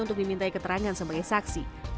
untuk dimintai keterangan sebagai saksi